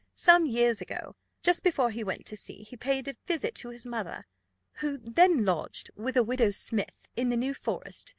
Some years ago, just before he went to sea, he paid a visit to his mother, who then lodged with a widow Smith, in the New Forest.